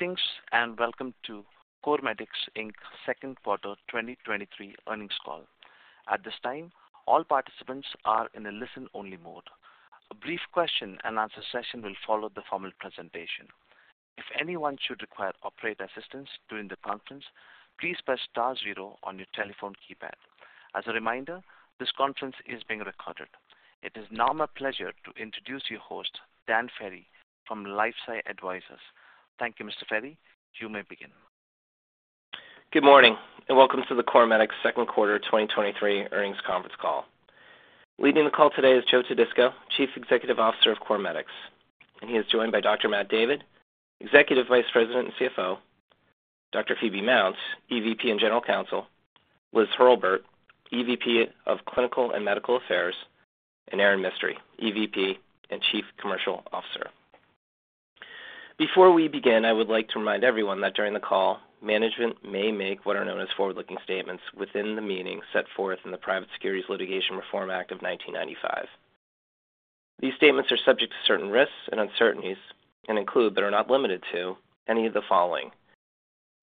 Greetings, and welcome to CorMedix's second quarter 2023 earnings call. At this time, all participants are in a listen-only mode. A brief question and answer session will follow the formal presentation. If anyone should require operator assistance during the conference, please press star 0 on your telephone keypad. As a reminder, this conference is being recorded. It is now my pleasure to introduce your host, Dan Ferry, from LifeSci Advisors. Thank you, Mr. Ferry. You may begin. Good morning, and welcome to the CorMedix second quarter 2023 earnings conference call. Leading the call today is Joe Todisco, Chief Executive Officer of CorMedix, and he is joined by Dr. Matt David, Executive Vice President and CFO, Dr. Phoebe Mounts, EVP and General Counsel, Liz Hurlburt, EVP of Clinical and Medical Affairs, and Erin Mistry, EVP and Chief Commercial Officer. Before we begin, I would like to remind everyone that during the call, management may make what are known as forward-looking statements within the meaning set forth in the Private Securities Litigation Reform Act of 1995. These statements are subject to certain risks and uncertainties and include, but are not limited to, any of the following: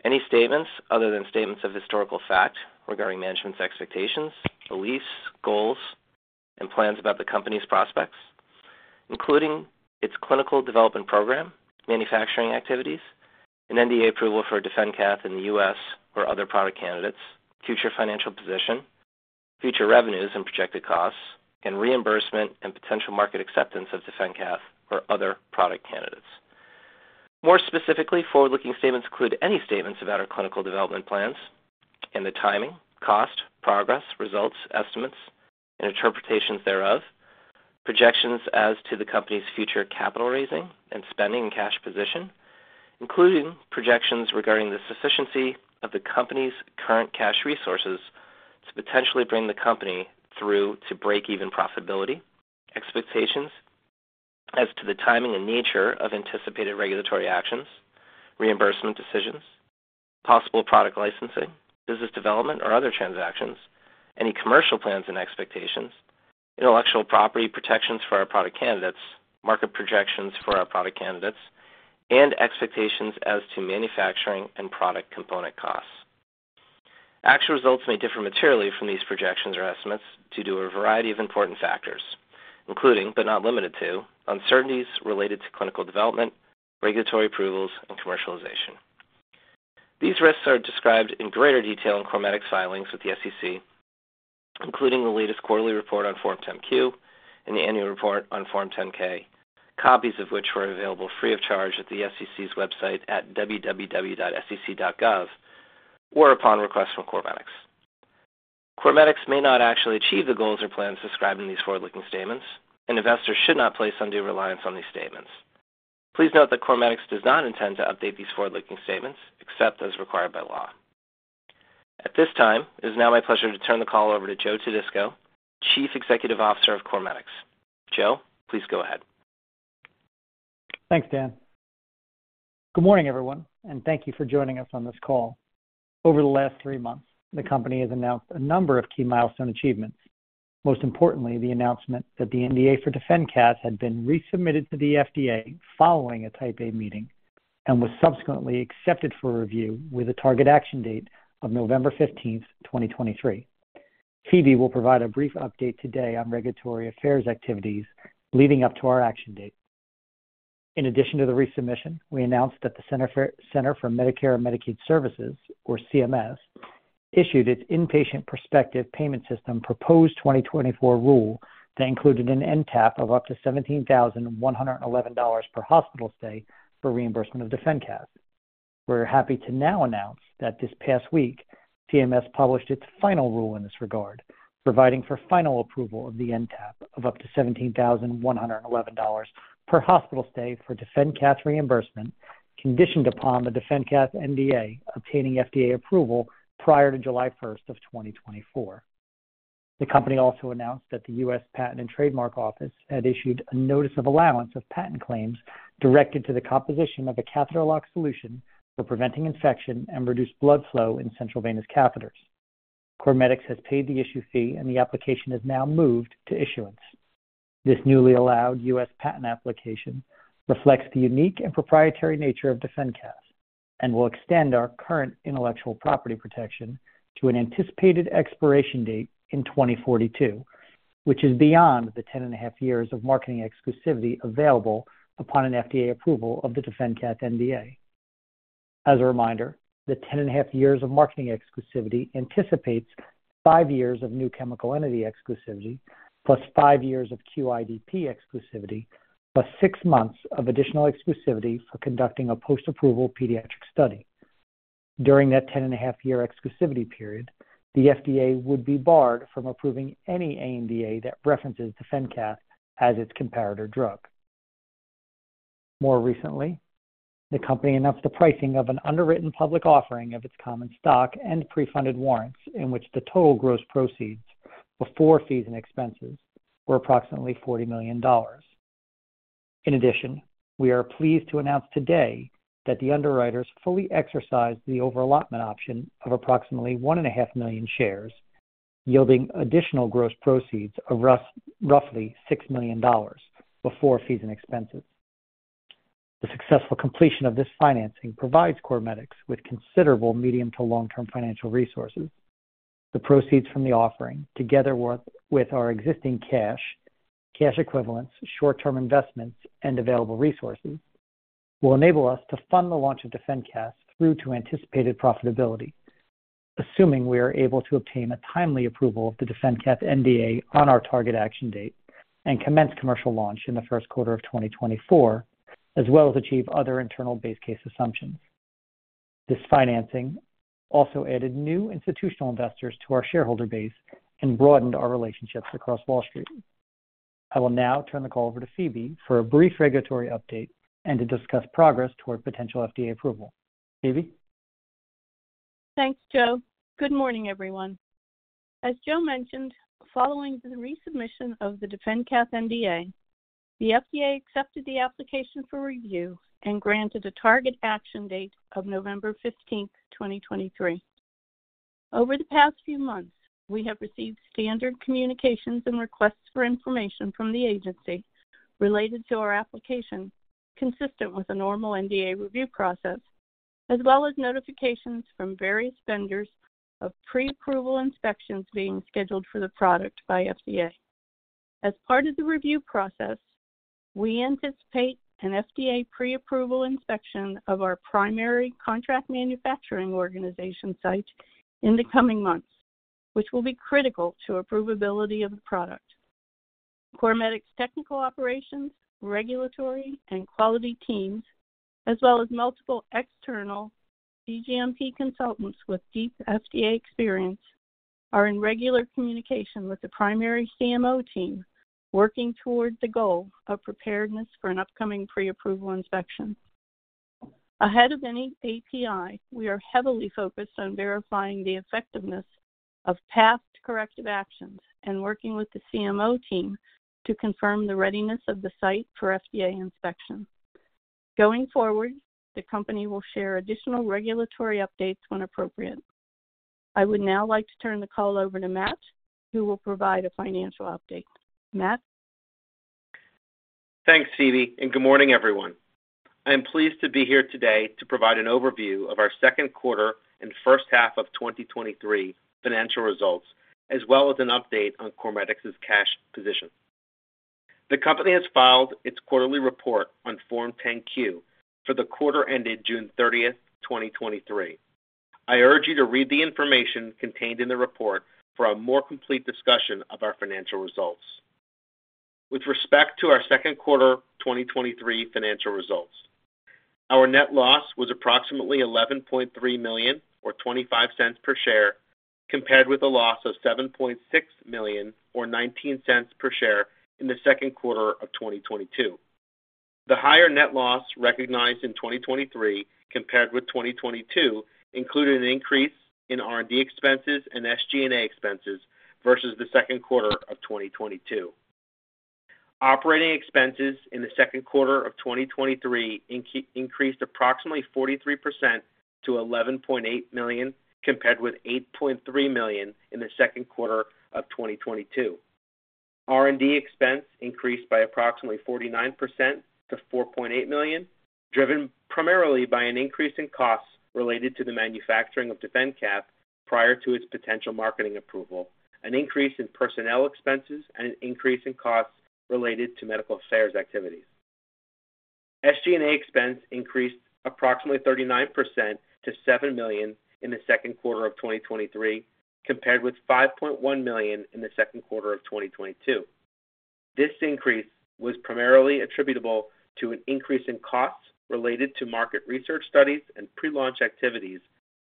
Any statements other than statements of historical fact regarding management's expectations, beliefs, goals, and plans about the company's prospects, including its clinical development program, manufacturing activities, and NDA approval for DefenCath in the U.S. or other product candidates, future financial position, future revenues and projected costs, and reimbursement and potential market acceptance of DefenCath or other product candidates. More specifically, forward-looking statements include any statements about our clinical development plans and the timing, cost, progress, results, estimates, and interpretations thereof. Projections as to the company's future capital raising and spending and cash position, including projections regarding the sufficiency of the company's current cash resources to potentially bring the company through to break-even profitability. Expectations as to the timing and nature of anticipated regulatory actions, reimbursement decisions, possible product licensing, business development, or other transactions, any commercial plans and expectations, intellectual property protections for our product candidates, market projections for our product candidates, and expectations as to manufacturing and product component costs. Actual results may differ materially from these projections or estimates due to a variety of important factors, including, but not limited to, uncertainties related to clinical development, regulatory approvals, and commercialization. These risks are described in greater detail in CorMedix filings with the SEC, including the latest quarterly report on Form 10-Q and the annual report on Form 10-K, copies of which are available free of charge at the SEC's website at www.sec.gov or upon request from CorMedix. CorMedix may not actually achieve the goals or plans described in these forward-looking statements. Investors should not place undue reliance on these statements. Please note that CorMedix does not intend to update these forward-looking statements except as required by law. At this time, it is now my pleasure to turn the call over to Joe Todisco, Chief Executive Officer of CorMedix. Joe, please go ahead. Thanks, Dan. Good morning, everyone, thank you for joining us on this call. Over the last three months, the company has announced a number of key milestone achievements. Most importantly, the announcement that the NDA for DefenCath had been resubmitted to the FDA following a Type A meeting and was subsequently accepted for review with a target action date of November 15th, 2023. Phoebe will provide a brief update today on regulatory affairs activities leading up to our action date. In addition to the resubmission, we announced that the Centers for Medicare & Medicaid Services, or CMS, issued its inpatient prospective payment system proposed 2024 rule that included an NTAP of up to $17,111 per hospital stay for reimbursement of DefenCath. We're happy to now announce that this past week, CMS published its final rule in this regard, providing for final approval of the NTAP of up to $17,111 per hospital stay for DefenCath reimbursement, conditioned upon the DefenCath NDA obtaining FDA approval prior to July 1st of 2024. The company also announced that the U.S. Patent and Trademark Office had issued a notice of allowance of patent claims directed to the composition of a catheter lock solution for preventing infection and reduced blood flow in central venous catheters. CorMedix has paid the issue fee, and the application has now moved to issuance. This newly allowed U.S. patent application reflects the unique and proprietary nature of DefenCath and will extend our current intellectual property protection to an anticipated expiration date in 2042, which is beyond the 10.5 years of marketing exclusivity available upon an FDA approval of the DefenCath NDA. As a reminder, the 10.5 years of marketing exclusivity anticipates five years of new chemical entity exclusivity, plus five years of QIDP exclusivity, +six months of additional exclusivity for conducting a post-approval pediatric study. During that 10.5-year exclusivity period, the FDA would be barred from approving any ANDA that references DefenCath as its comparator drug. More recently, the company announced the pricing of an underwritten public offering of its common stock and pre-funded warrants, in which the total gross proceeds before fees and expenses were approximately $40 million. In addition, we are pleased to announce today that the underwriters fully exercised the over-allotment option of approximately 1.5 million shares, yielding additional gross proceeds of roughly $6 million before fees and expenses. The successful completion of this financing provides CorMedix with considerable medium to long-term financial resources. The proceeds from the offering, together with our existing cash, cash equivalents, short-term investments, and available resources, will enable us to fund the launch of DefenCath through to anticipated profitability, assuming we are able to obtain a timely approval of the DefenCath NDA on our target action date and commence commercial launch in the first quarter of 2024, as well as achieve other internal base case assumptions. This financing also added new institutional investors to our shareholder base and broadened our relationships across Wall Street. I will now turn the call over to Phoebe for a brief regulatory update and to discuss progress toward potential FDA approval. Phoebe? Thanks, Joe. Good morning, everyone. As Joe mentioned, following the resubmission of the DefenCath NDA, the FDA accepted the application for review and granted a target action date of November 15th, 2023. Over the past few months, we have received standard communications and requests for information from the agency related to our application, consistent with the normal NDA review process, as well as notifications from various vendors of pre-approval inspections being scheduled for the product by FDA. As part of the review process, we anticipate an FDA pre-approval inspection of our primary contract manufacturing organization site in the coming months, which will be critical to approvability of the product. CorMedix technical operations, regulatory and quality teams, as well as multiple external cGMP consultants with deep FDA experience, are in regular communication with the primary CMO team, working toward the goal of preparedness for an upcoming pre-approval inspection. Ahead of any PAI, we are heavily focused on verifying the effectiveness of past corrective actions and working with the CMO team to confirm the readiness of the site for FDA inspection. Going forward, the company will share additional regulatory updates when appropriate. I would now like to turn the call over to Matt, who will provide a financial update. Matt? Thanks, Phoebe. Good morning, everyone. I am pleased to be here today to provide an overview of our second quarter and first half of 2023 financial results, as well as an update on CorMedix's cash position. The company has filed its quarterly report on Form 10-Q for the quarter ended June 30th, 2023. I urge you to read the information contained in the report for a more complete discussion of our financial results. With respect to our second quarter 2023 financial results, our net loss was approximately $11.3 million, or $0.25 per share, compared with a loss of $7.6 million, or $0.19 per share in the second quarter of 2022. The higher net loss recognized in 2023 compared with 2022 included an increase in R&D expenses and SG&A expenses versus the second quarter of 2022. Operating expenses in the second quarter of 2023 increased approximately 43% to $11.8 million, compared with $8.3 million in the second quarter of 2022. R&D expense increased by approximately 49% to $4.8 million, driven primarily by an increase in costs related to the manufacturing of DefenCath prior to its potential marketing approval, an increase in personnel expenses, and an increase in costs related to medical affairs activities. SG&A expense increased approximately 39% to $7 million in the second quarter of 2023, compared with $5.1 million in the second quarter of 2022. This increase was primarily attributable to an increase in costs related to market research studies and pre-launch activities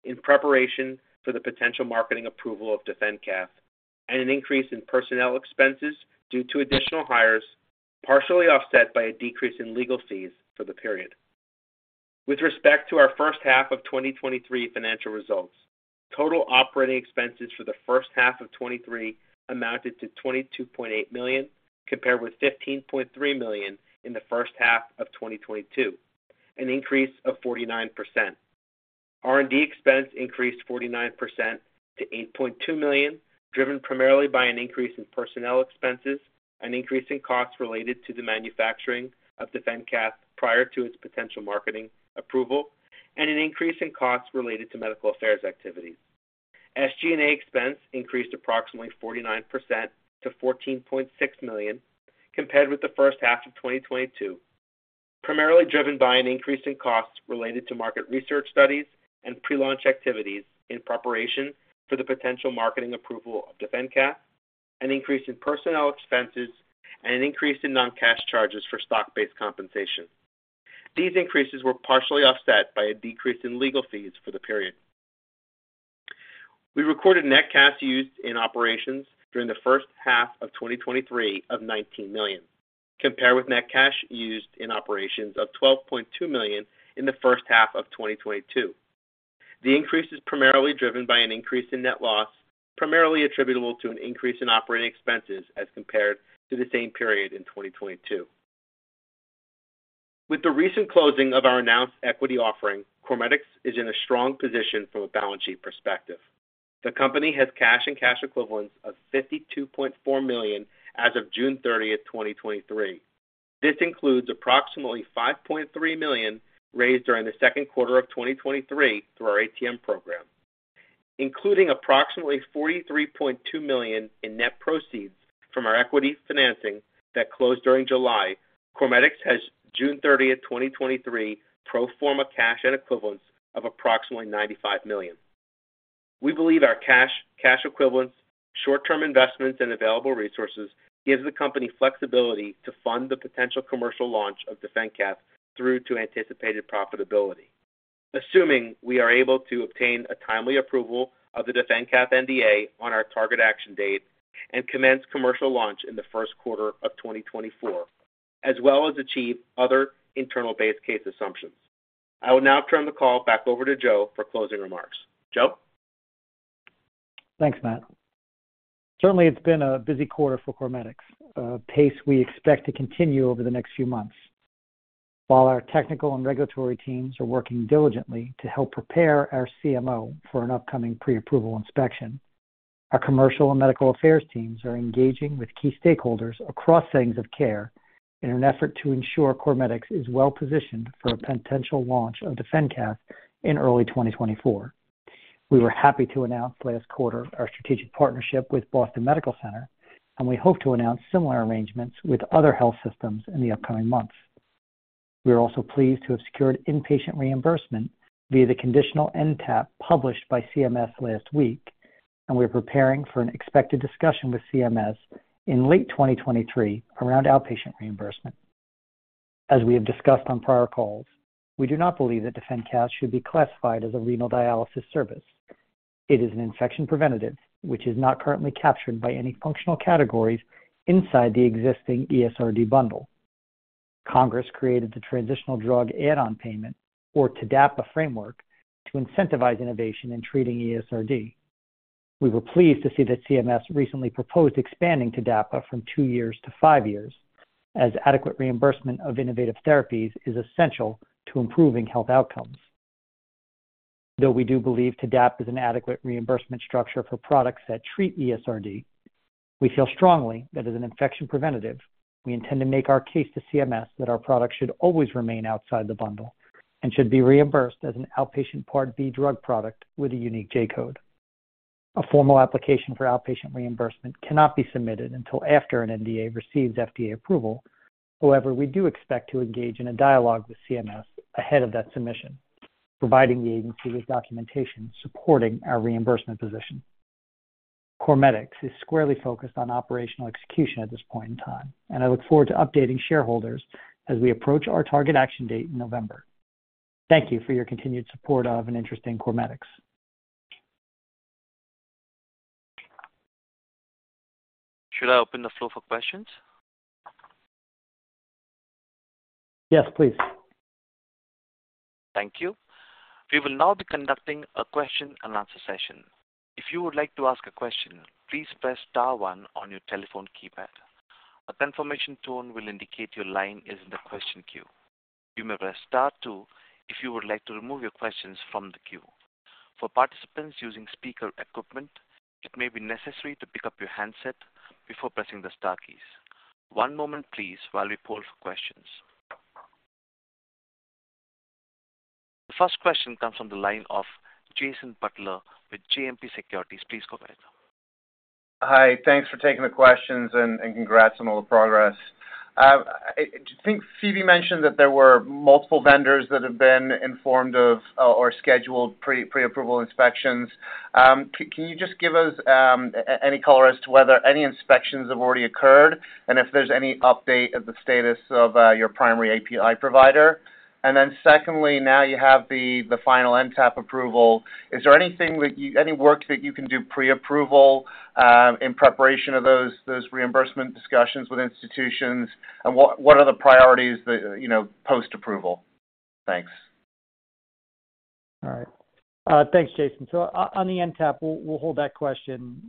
in preparation for the potential marketing approval of DefenCath, and an increase in personnel expenses due to additional hires, partially offset by a decrease in legal fees for the period. With respect to our first half of 2023 financial results, total operating expenses for the first half of 2023 amounted to $22.8 million, compared with $15.3 million in the first half of 2022, an increase of 49%. R&D expense increased 49% to $8.2 million, driven primarily by an increase in personnel expenses, an increase in costs related to the manufacturing of DefenCath prior to its potential marketing approval, and an increase in costs related to medical affairs activities. SG&A expense increased approximately 49% to $14.6 million compared with the first half of 2022, primarily driven by an increase in costs related to market research studies and pre-launch activities in preparation for the potential marketing approval of DefenCath, an increase in personnel expenses, and an increase in non-cash charges for stock-based compensation. These increases were partially offset by a decrease in legal fees for the period. We recorded net cash used in operations during the first half of 2023 of $19 million, compared with net cash used in operations of $12.2 million in the first half of 2022. The increase is primarily driven by an increase in net loss, primarily attributable to an increase in operating expenses as compared to the same period in 2022. With the recent closing of our announced equity offering, CorMedix is in a strong position from a balance sheet perspective. The company has cash and cash equivalents of $52.4 million as of June 30, 2023. This includes approximately $5.3 million raised during the second quarter of 2023 through our ATM program. Including approximately $43.2 million in net proceeds from our equity financing that closed during July, CorMedix has June 30, 2023 pro forma cash and equivalents of approximately $95 million. We believe our cash, cash equivalents, short-term investments, and available resources gives the company flexibility to fund the potential commercial launch of DefenCath through to anticipated profitability. Assuming we are able to obtain a timely approval of the DefenCath NDA on our target action date and commence commercial launch in the first quarter of 2024, as well as achieve other internal base case assumptions. I will now turn the call back over to Joe for closing remarks. Joe? Thanks, Matt. Certainly, it's been a busy quarter for CorMedix, a pace we expect to continue over the next few months. While our technical and regulatory teams are working diligently to help prepare our CMO for an upcoming pre-approval inspection, our commercial and medical affairs teams are engaging with key stakeholders across settings of care in an effort to ensure CorMedix is well positioned for a potential launch of DefenCath in early 2024. We were happy to announce last quarter our strategic partnership with Boston Medical Center, and we hope to announce similar arrangements with other health systems in the upcoming months. We are also pleased to have secured inpatient reimbursement via the conditional NTAP published by CMS last week. We are preparing for an expected discussion with CMS in late 2023 around outpatient reimbursement. As we have discussed on prior calls, we do not believe that DefenCath should be classified as a renal dialysis service. It is an infection preventative, which is not currently captured by any functional categories inside the existing ESRD bundle. Congress created the Transitional Drug Add-on Payment, or TDAPA framework, to incentivize innovation in treating ESRD. We were pleased to see that CMS recently proposed expanding TDAPA from two years to five years, as adequate reimbursement of innovative therapies is essential to improving health outcomes. Though we do believe TDAPA is an adequate reimbursement structure for products that treat ESRD, we feel strongly that as an infection preventative, we intend to make our case to CMS that our product should always remain outside the bundle and should be reimbursed as an outpatient Part B drug product with a unique J code. A formal application for outpatient reimbursement cannot be submitted until after an NDA receives FDA approval. We do expect to engage in a dialogue with CMS ahead of that submission, providing the agency with documentation supporting our reimbursement position. CorMedix is squarely focused on operational execution at this point in time, and I look forward to updating shareholders as we approach our target action date in November. Thank you for your continued support of and interest in CorMedix. Should I open the floor for questions? Yes, please. Thank you. We will now be conducting a question and answer session. If you would like to ask a question, please press star one on your telephone keypad. A confirmation tone will indicate your line is in the question queue. You may press star two if you would like to remove your questions from the queue. For participants using speaker equipment, it may be necessary to pick up your handset before pressing the star keys. One moment please while we poll for questions. The first question comes from the line of Jason Butler with JMP Securities. Please go ahead. Hi. Thanks for taking the questions and congrats on all the progress. I think Phoebe mentioned that there were multiple vendors that have been informed of or scheduled pre-approval inspections. Can you just give us any color as to whether any inspections have already occurred, and if there's any update of the status of your primary PAI provider? Secondly, now you have the final NTAP approval. Is there anything Any work that you can do pre-approval in preparation of those reimbursement discussions with institutions? What are the priorities that, you know, post-approval? Thanks. All right. Thanks, Jason. On the NTAP, we'll, we'll hold that question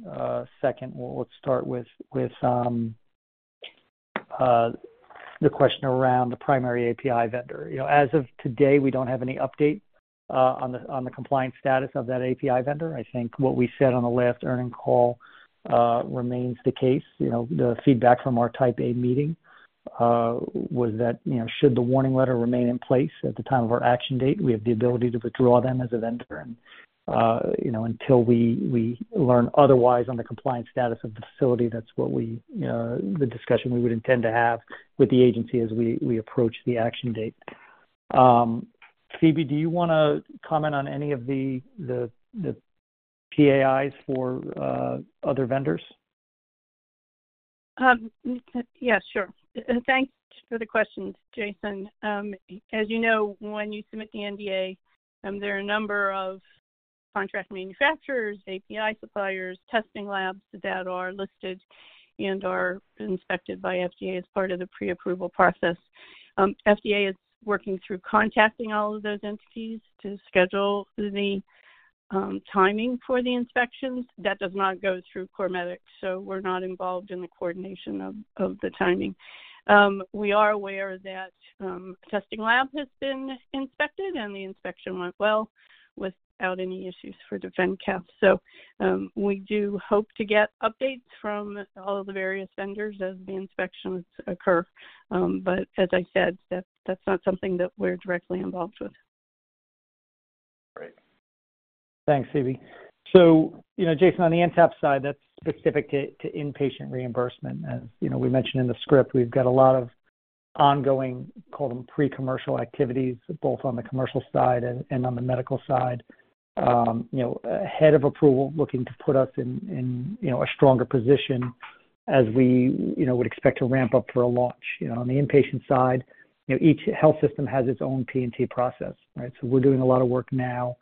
second. We'll start with, with the question around the primary PAI vendor. You know, as of today, we don't have any update on the, on the compliance status of that PAI vendor. I think what we said on the last earning call remains the case. You know, the feedback from our Type A meeting was that, you know, should the warning letter remain in place at the time of our action date, we have the ability to withdraw them as a vendor. And, you know, until we, we learn otherwise on the compliance status of the facility, that's what we, the discussion we would intend to have with the agency as we, we approach the action date. Phoebe, do you wanna comment on any of the, the, the PAIs for other vendors? yeah, sure. Thanks for the questions, Jason. As you know, when you submit the NDA, there are a number of contract manufacturers, PAI suppliers, testing labs that are listed and are inspected by FDA as part of the pre-approval process. FDA is working through contacting all of those entities to schedule the timing for the inspections, that does not go through CorMedix, so we're not involved in the coordination of, of the timing. We are aware that testing lab has been inspected, and the inspection went well without any issues for DefenCath. We do hope to get updates from all the various vendors as the inspections occur. As I said, that, that's not something that we're directly involved with. Great. Thanks, Phoebe. You know, Jason, on the NTAP side, that's specific to, to inpatient reimbursement. As you know, we mentioned in the script, we've got a lot of ongoing, call them pre-commercial activities, both on the commercial side and, and on the medical side. You know, ahead of approval, looking to put us in, in, you know, a stronger position as we, you know, would expect to ramp up for a launch. You know, on the inpatient side, you know, each health system has its own P&T process, right? We're doing a lot of work now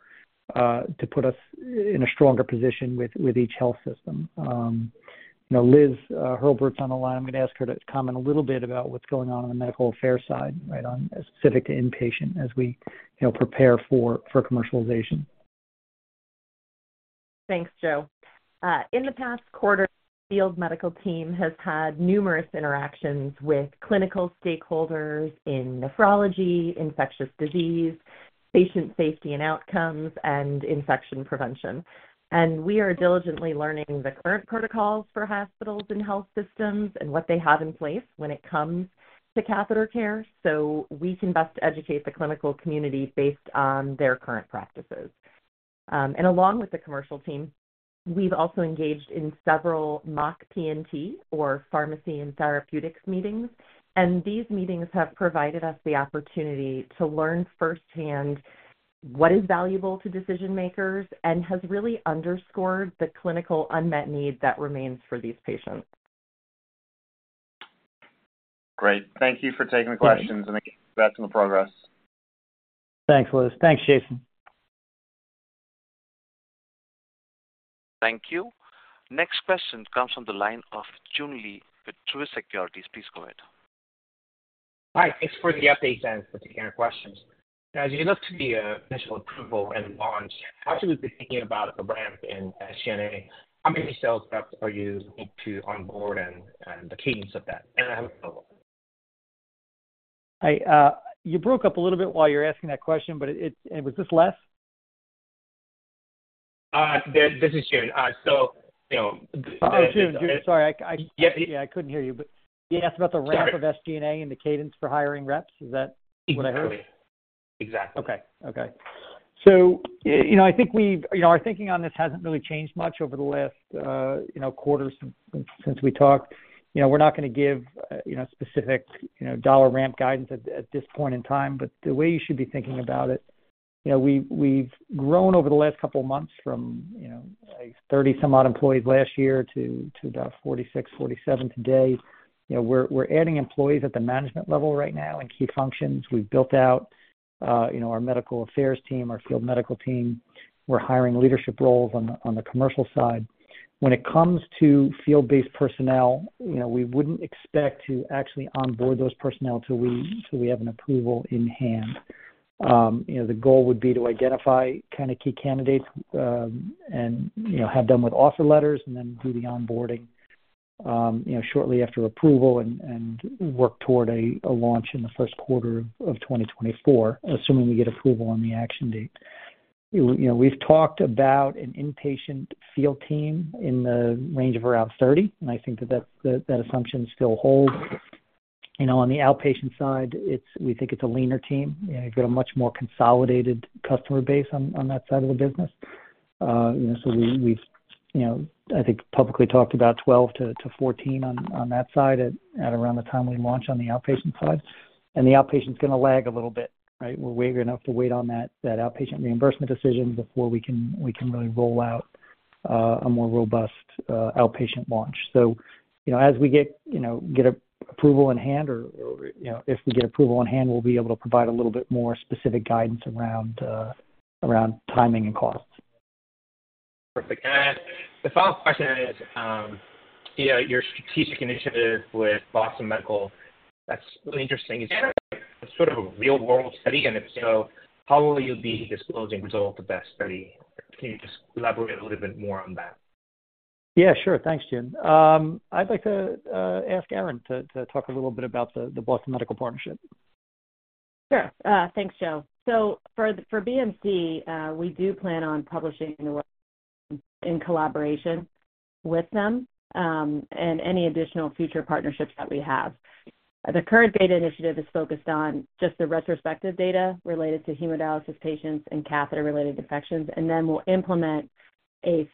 to put us in a stronger position with, with each health system. You know, Liz Hurlburt's on the line. I'm going to ask her to comment a little bit about what's going on on the medical affairs side, right, on specific to inpatient as we, you know, prepare for, for commercialization. Thanks, Joe. In the past quarter, field medical team has had numerous interactions with clinical stakeholders in nephrology, infectious disease, patient safety and outcomes, and infection prevention. We are diligently learning the current protocols for hospitals and health systems and what they have in place when it comes to catheter care, so we can best educate the clinical community based on their current practices. Along with the commercial team, we've also engaged in several mock P&T or pharmacy and therapeutics meetings. These meetings have provided us the opportunity to learn firsthand what is valuable to decision-makers and has really underscored the clinical unmet need that remains for these patients. Great. Thank you for taking the questions and getting back on the progress. Thanks, Liz. Thanks, Jason. Thank you. Next question comes from the line of Joon Lee with Truist Securities. Please go ahead. Hi, thanks for the update and for taking our questions. As you look to the initial approval and launch, how should we be thinking about the ramp in G&A? How many sales reps are you hope to onboard and the cadence of that? I have a follow-up. I, you broke up a little bit while you were asking that question, but was this Les? this, this is Joon. you know. Oh, Joon. Joon, sorry, I, I- Yep. Yeah, I couldn't hear you, but you asked about the ramp- Sorry. of SG&A and the cadence for hiring reps. Is that what I heard? Exactly. Okay. Okay. You know, I think we've, you know, our thinking on this hasn't really changed much over the last, you know, quarters since, since we talked. You know, we're not going to give, you know, specific, you know, dollar ramp guidance at, at this point in time. The way you should be thinking about it, you know, we've, we've grown over the last couple of months from, you know, like 30 some odd employees last year to, to about 46, 47 today. You know, we're, we're adding employees at the management level right now in key functions. We've built out, you know, our medical affairs team, our field medical team. We're hiring leadership roles on the, on the commercial side. When it comes to field-based personnel, you know, we wouldn't expect to actually onboard those personnel till we have an approval in hand. You know, the goal would be to identify kind of key candidates, and, you know, have them with offer letters and then do the onboarding, you know, shortly after approval and work toward a launch in the first quarter of 2024, assuming we get approval on the action date. You know, we've talked about an inpatient field team in the range of around 30, and I think that assumption still holds. You know, on the outpatient side, we think it's a leaner team, and you've got a much more consolidated customer base on that side of the business. We've, you know, I think publicly talked about 12 to 14 on that side at around the time we launch on the outpatient side. The outpatient's going to lag a little bit, right? We're waiting enough to wait on that, that outpatient reimbursement decision before we can really roll out a more robust outpatient launch. You know, as we get, you know, get approval in hand or, or, you know, if we get approval in hand, we'll be able to provide a little bit more specific guidance around around timing and costs. Perfect. The final question is, you know, your strategic initiative with Boston Medical, that's really interesting. Is that a sort of a real-world study, and if so, how will you be disclosing results of that study? Can you just elaborate a little bit more on that? Yeah, sure. Thanks, Jun. I'd like to, ask Erin to, to talk a little bit about the, the Boston Medical Partnership. Sure. Thanks, Joe. For, for BMC, we do plan on publishing the work in collaboration with them, and any additional future partnerships that we have. The current data initiative is focused on just the retrospective data related to hemodialysis patients and catheter-related infections, and then we'll implement a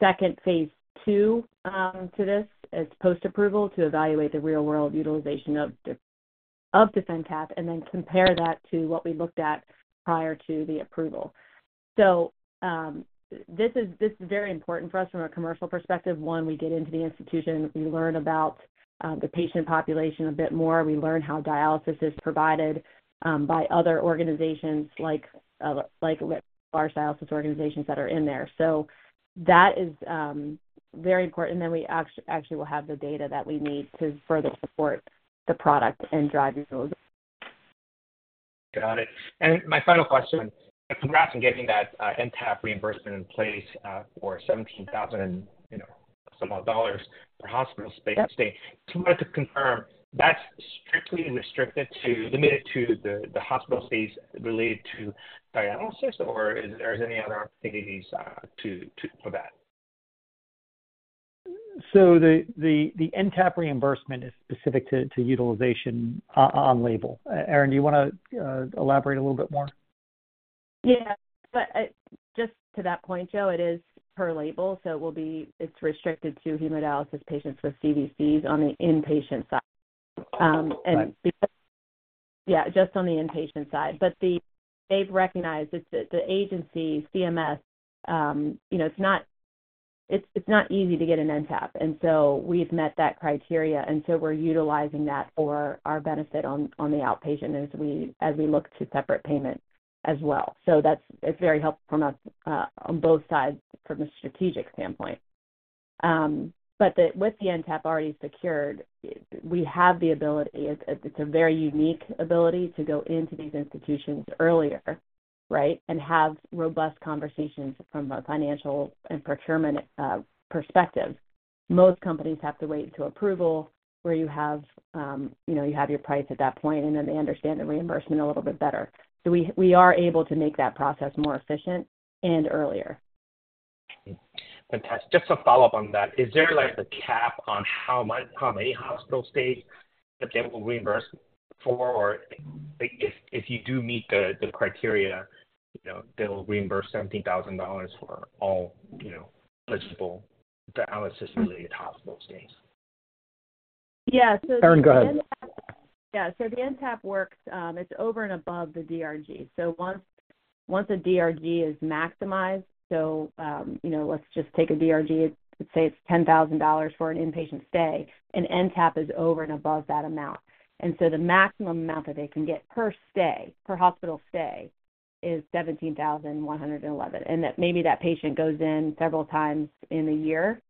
second phase II to this as post-approval to evaluate the real-world utilization of DefenCath and then compare that to what we looked at prior to the approval. This is, this is very important for us from a commercial perspective. One, we get into the institution, we learn about the patient population a bit more. We learn how dialysis is provided by other organizations like, like with large dialysis organizations that are in there. That is very important, and then we actually will have the data that we need to further support the product and drive results. Got it. My final question, congrats on getting that NTAP reimbursement in place for $17,000, you know, some odd dollars for hospital space. Yep. I want to confirm, that's strictly restricted to, limited to the, the hospital stays related to dialysis, or is there any other opportunities, to, to for that? The NTAP reimbursement is specific to utilization on label. Erin, do you want to elaborate a little bit more? Yeah. Just to that point, Joe, it is per label, so it's restricted to hemodialysis patients with CVCs on the inpatient side. Right. Yeah, just on the inpatient side. They've recognized it's the agency, CMS, you know, it's not, it's not easy to get an NTAP, and so we've met that criteria, and so we're utilizing that for our benefit on the outpatient as we look to separate payment as well. That's, it's very helpful from us on both sides from a strategic standpoint. With the NTAP already secured, we have the ability, it's a very unique ability to go into these institutions earlier, right? Have robust conversations from a financial and procurement perspective. Most companies have to wait until approval, where you have, you know, you have your price at that point, and then they understand the reimbursement a little bit better. We are able to make that process more efficient and earlier. Fantastic. Just to follow up on that, is there, like, a cap on how much, how many hospital stays that they will reimburse for? If, if you do meet the, the criteria, you know, they will reimburse $17,000 for all, you know, eligible dialysis-related hospital stays. Yeah. Erin, go ahead. Yeah. The NTAP works, it's over and above the DRG. Once, once a DRG is maximized, so, you know, let's just take a DRG, let's say it's $10,000 for an inpatient stay, an NTAP is over and above that amount. The maximum amount that they can get per stay, per hospital stay, is $17,111. Maybe that patient goes in several times in a year,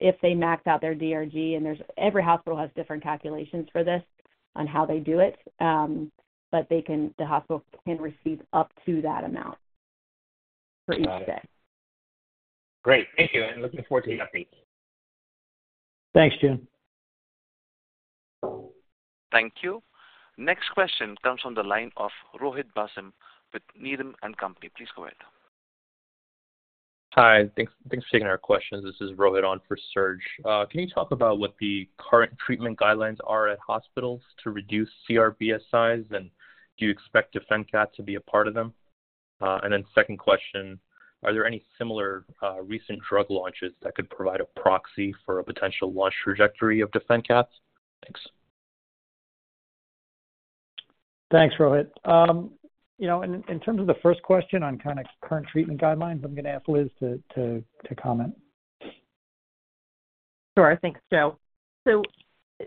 if they max out their DRG, and there's... Every hospital has different calculations for this on how they do it, but they can, the hospital can receive up to that amount for each day. Great. Thank you. Looking forward to the updates. Thanks, Joon. Thank you. Next question comes from the line of Rohit Bhasin with Needham & Company. Please go ahead. Hi. Thanks, thanks for taking our questions. This is Rohit on for Serge. Can you talk about what the current treatment guidelines are at hospitals to reduce CRBSIs, and do you expect DefenCath to be a part of them? Second question, are there any similar, recent drug launches that could provide a proxy for a potential launch trajectory of DefenCath? Thanks. Thanks, Rohit. you know, in, in terms of the first question on kind of current treatment guidelines, I'm going to ask Liz to comment. Sure. Thanks, Joe.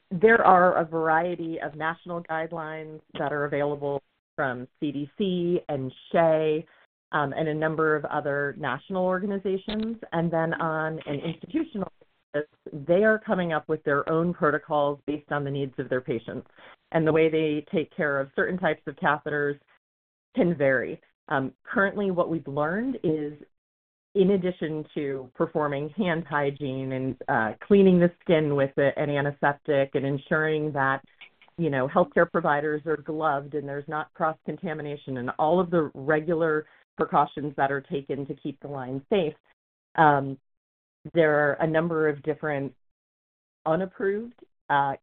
There are a variety of national guidelines that are available from CDC and SHEA, and a number of other national organizations. Then on an institutional basis, they are coming up with their own protocols based on the needs of their patients. The way they take care of certain types of catheters can vary. Currently, what we've learned is, in addition to performing hand hygiene and cleaning the skin with a, an antiseptic and ensuring that, you know, healthcare providers are gloved and there's not cross-contamination and all of the regular precautions that are taken to keep the line safe, there are a number of different unapproved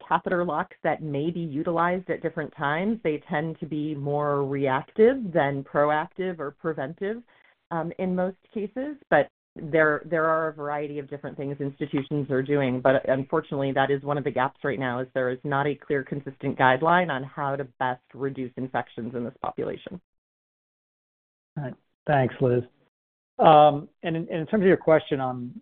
catheter locks that may be utilized at different times. They tend to be more reactive than proactive or preventive, in most cases, but there, there are a variety of different things institutions are doing. Unfortunately, that is one of the gaps right now, is there is not a clear, consistent guideline on how to best reduce infections in this population. All right. Thanks, Liz. In, and in terms of your question on,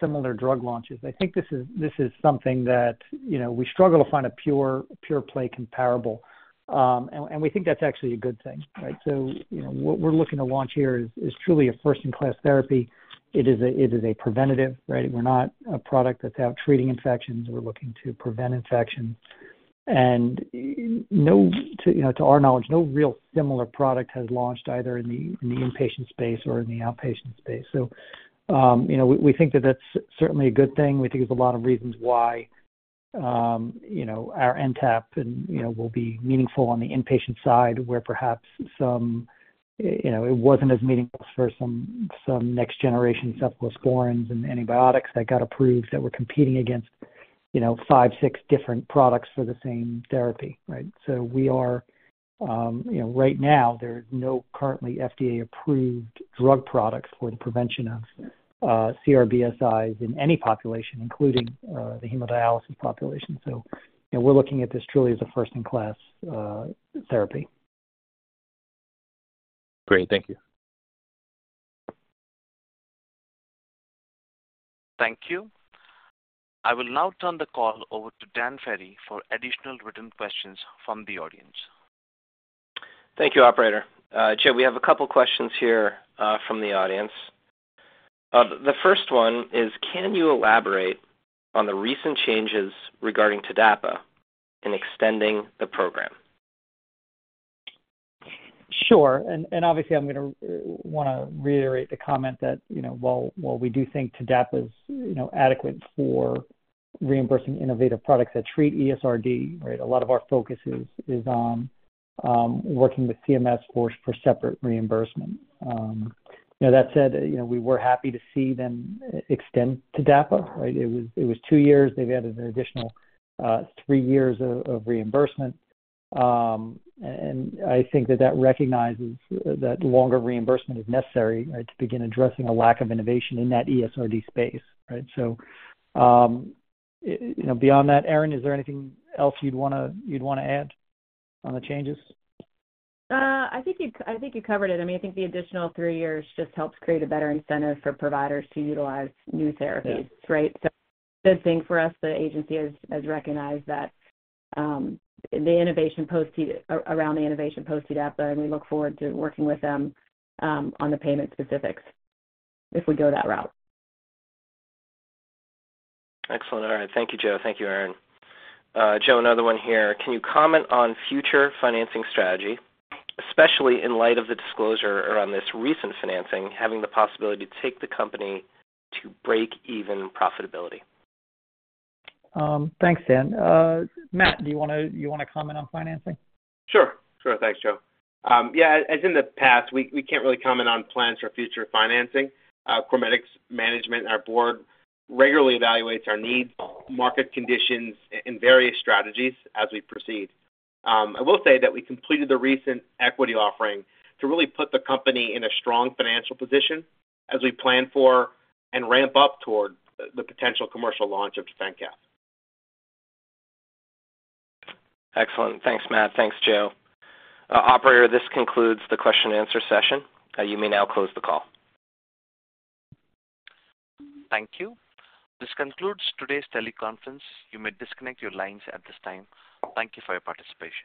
similar drug launches, I think this is, this is something that, you know, we struggle to find a pure, pure-play comparable. And we think that's actually a good thing, right? You know, what we're looking to launch here is, is truly a first-in-class therapy. It is a, it is a preventative, right? We're not a product that's out treating infections. We're looking to prevent infection. No, to, you know, to our knowledge, no real similar product has launched either in the, in the inpatient space or in the outpatient space. We, we think that that's certainly a good thing. We think there's a lot of reasons why, you know, our NTAP and, you know, will be meaningful on the inpatient side, where perhaps some, you know, it wasn't as meaningful for some, some next-generation cephalosporins and antibiotics that got approved that were competing against, you know, five, six different products for the same therapy, right? We are, you know, right now, there are no currently FDA-approved drug products for the prevention of CRBSIs in any population, including the hemodialysis population. We're looking at this truly as a first-in-class therapy. Great. Thank you. Thank you. I will now turn the call over to Dan Ferry for additional written questions from the audience. Thank you, operator. Joe, we have a couple questions here from the audience. The first one is, can you elaborate on the recent changes regarding TDAPA and extending the program? Sure, obviously, I'm gonna wanna reiterate the comment that, you know, while, while we do think TDAPA is, you know, adequate for reimbursing innovative products that treat ESRD, right? A lot of our focus is, is on working with CMS for, for separate reimbursement. Now, that said, you know, we were happy to see them extend TDAPA, right? It was, it was two years. They've added an additional three years of reimbursement. I think that that recognizes that longer reimbursement is necessary, right, to begin addressing a lack of innovation in that ESRD space, right? You know, beyond that, Erin, is there anything else you'd wanna, you'd wanna add on the changes? I think you, I think you covered it. I mean, I think the additional three years just helps create a better incentive for providers to utilize new therapies. Yeah. -right? good thing for us, the agency has, has recognized that, around the innovation post-TDAPA, and we look forward to working with them, on the payment specifics if we go that route. Excellent. All right. Thank you, Joe. Thank you, Erin. Joe, another one here. Can you comment on future financing strategy, especially in light of the disclosure around this recent financing, having the possibility to take the company to break-even profitability? Thanks, Dan. Matt, do you wanna, you wanna comment on financing? Sure. Sure. Thanks, Joe. Yeah, as in the past, we, we can't really comment on plans for future financing. CorMedix management and our board regularly evaluates our needs, market conditions, and various strategies as we proceed. I will say that we completed the recent equity offering to really put the company in a strong financial position as we plan for and ramp up toward the, the potential commercial launch of DefenCath. Excellent. Thanks, Matt. Thanks, Joe. Operator, this concludes the question and answer session. You may now close the call. Thank you. This concludes today's teleconference. You may disconnect your lines at this time. Thank you for your participation.